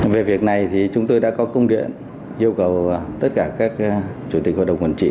về việc này thì chúng tôi đã có công điện yêu cầu tất cả các chủ tịch hội đồng quản trị